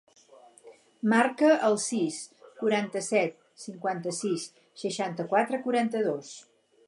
Marca el sis, quaranta-set, cinquanta-sis, seixanta-quatre, quaranta-dos.